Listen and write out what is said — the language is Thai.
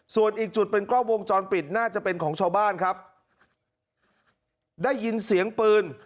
ส่วนอีกจุดเป็นกล้องวงจรปิดน่าจะเป็นของชาวบ้านครับได้ยินเสียงปืน